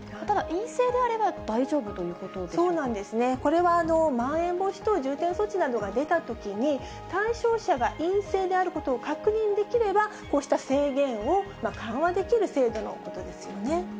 ただ、陰性であれば大丈夫というそうなんですね、これはまん延防止等重点措置などが出たときに、対象者が陰性であることを確認できれば、こうした制限を緩和できる制度のことですよね。